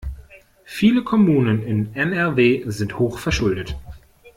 Viele Kommunen in NRW sind hochverschuldet.